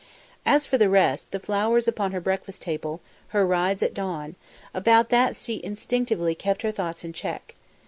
As for the rest, the flowers upon her breakfast table, her rides at dawn about that she instinctively kept her thoughts in check.